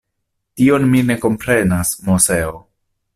Tion mi ne komprenas, Moseo.